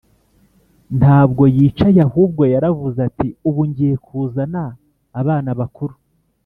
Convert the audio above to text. ntabwo yicaye ahubwo yaravuze ati: "ubu ngiye kuzana abana bakuru